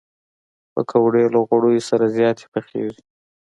پکورې له غوړیو سره زیاتې پخېږي